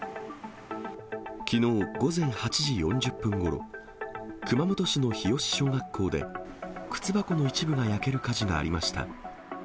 きのう午前８時４０分ごろ、熊本市の日吉小学校で、靴箱の一部が焼ける火事がありました。